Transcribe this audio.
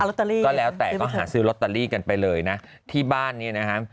ลอตเตอรี่ก็แล้วแต่ก็หาซื้อลอตเตอรี่กันไปเลยนะที่บ้านเนี่ยนะฮะ